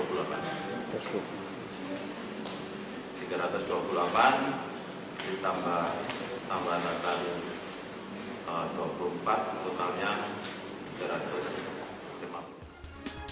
untuk tujuan sejumlah kota di jawa barat tengah jawa timur